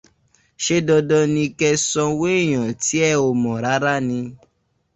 Ṣé dandan ni kẹ sanwó èèyàn tí ẹ ò mọ̀ rárá ni?